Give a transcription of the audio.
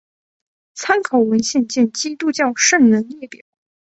参考文献见基督教圣人列表。